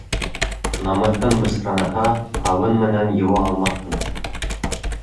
Намыҫын бысранһа, һабын менән йыуа алмаҫһың.